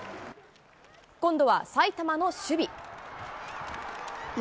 今度は埼玉の守備。